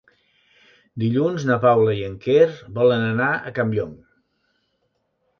Dilluns na Paula i en Quer volen anar a Campllong.